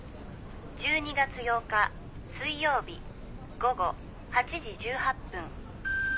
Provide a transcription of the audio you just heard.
「１２月８日水曜日午後８時１８分」